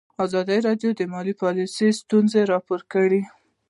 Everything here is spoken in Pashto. ازادي راډیو د مالي پالیسي ستونزې راپور کړي.